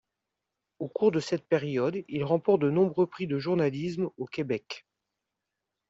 Au cours de cette période, il remporte de nombreux prix de journalisme au Québec.